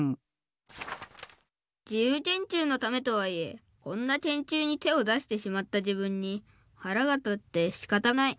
「自由研究のためとはいえこんな研究に手をだしてしまった自分に腹がたってしかたない。